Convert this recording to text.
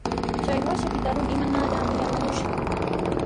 Chay wasipita runa hinallanmi yarqamushqa.